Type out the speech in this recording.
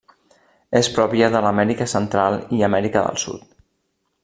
És pròpia d'Amèrica Central i Amèrica del Sud.